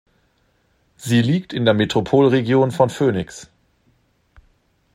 Sie liegt in der Metropolregion von Phoenix.